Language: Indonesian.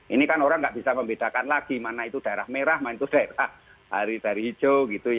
ini kan orang nggak bisa membedakan lagi mana itu daerah merah mana itu daerah hijau